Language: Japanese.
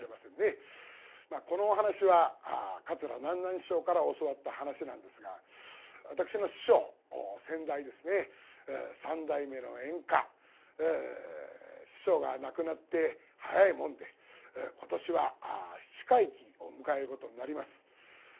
まあこのお噺は桂南なん師匠から教わった噺なんですが私の師匠先代ですね三代目の圓歌師匠が亡くなって早いもんで今年は七回忌を迎えることになります。